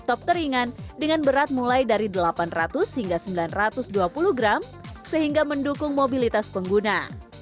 top teringan dengan berat mulai dari delapan ratus hingga sembilan ratus dua puluh gram sehingga mendukung mobilitas pengguna